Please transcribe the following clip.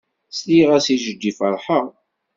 Sliɣ-as i jeddi ferḥeɣ.